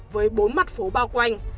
với bốn mặt phố bao quanh